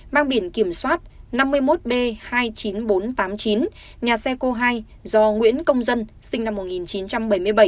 mang biển kiểm soát năm mươi một b hai mươi chín nghìn bốn trăm tám mươi chín nhà xe cô hai do nguyễn công dân sinh năm một nghìn chín trăm bảy mươi bảy